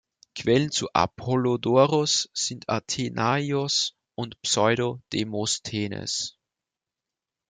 Quellen zu Apollodoros sind Athenaios und Pseudo-Demosthenes.